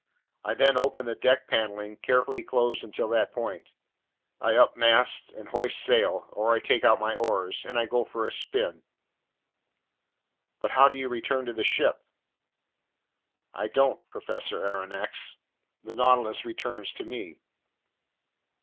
I then open the deck paneling, carefully closed until that point; I up mast and hoist sail—or I take out my oars—and I go for a spin." "But how do you return to the ship?" "I don't, Professor Aronnax; the Nautilus returns to me."